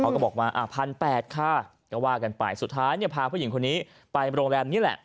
ก็บอกว่า๑๘๐๐ค่ะก็ว่ากันไปสุดท้ายเนี่ยพาผู้หญิงคนนี้ไปโรงแรมนี้แหละ